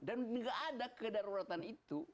dan tidak ada kedaruratan itu